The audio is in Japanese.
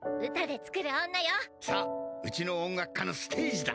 「さあうちの音楽家のステージだ」